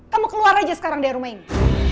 kamu keluar aja sekarang dari rumah ini